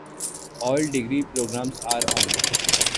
All degree programs are online.